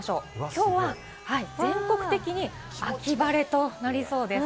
きょうは全国的に秋晴れとなりそうです。